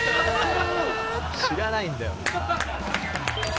「知らないんだよな」